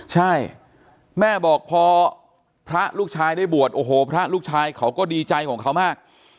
ใช่แม่บอกพอพระลูกชายได้บวชโอ้โหพระลูกชายเขาก็ดีใจของเขามาก